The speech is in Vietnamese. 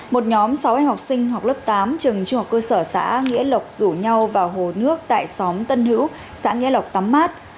một nhóm sáu em học sinh học lớp tám trường trung học cơ sở xã nghĩa lộc rủ nhau vào hồ nước tại xóm tân hữu xã nghĩa lộc tắm mát